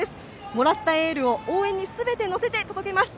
もらったエールを応援にすべて乗せて届けます。